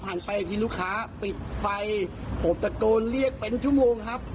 ไปอีกทีลูกค้าปิดไฟผมตะโกนเรียกเป็นชั่วโมงครับ